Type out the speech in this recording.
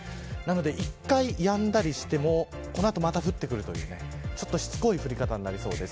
一度、やんだりしてもその後また降ってくるというしつこい降り方になりそうです。